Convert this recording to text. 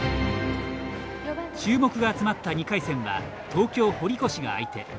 注目が集まった２回戦は東京・堀越が相手。